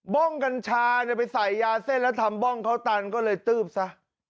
้องกัญชาไปใส่ยาเส้นแล้วทำบ้องเขาตันก็เลยตืบซะ